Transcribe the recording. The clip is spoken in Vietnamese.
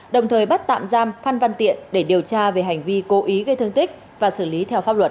đồng thời bắt tạm giam phan văn tiện để điều tra về hành vi cố ý gây thương tích và xử lý theo pháp luật